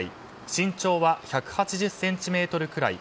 身長は１８０ｃｍくらい。